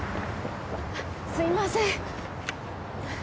すいません。